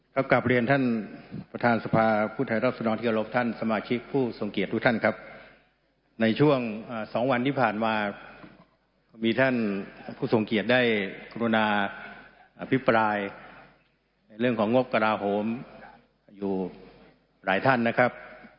ครับกลับเรียนท่านประธานสภาพุทธัยรับสนองเที่ยวรบท่านสมาชิกผู้สงเกียจทุกท่านครับในช่วงสองวันที่ผ่านมามีท่านผู้สงเกียจได้คุณอนาภิปรายเรื่องของงบกระหลาโหมอยู่หลายท่านนะครับ